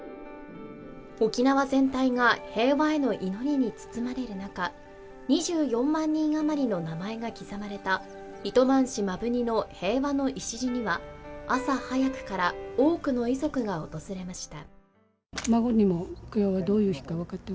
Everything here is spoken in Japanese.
沖縄全体が平和への祈りに包まれる中、２４万人余りの名前が刻まれた糸満市摩文仁の平和の礎には、朝早くから多くの遺族が訪れました。